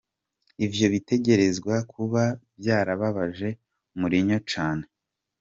Ivyo bitegerezwa kuba vyarababaje Mourinho cane.